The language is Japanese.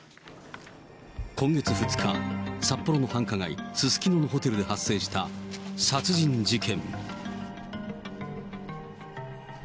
今月２日、札幌の繁華街、すすきののホテルで発生した殺人事件。